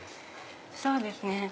そうですね。